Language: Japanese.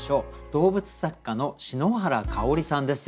動物作家の篠原かをりさんです。